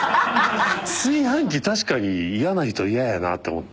炊飯器確かに嫌な人嫌やなって思って。